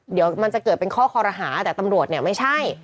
เดี๋ยวมันจะเกิดเป็นข้อคอรหาแต่ตำรวจเนี่ยไม่ใช่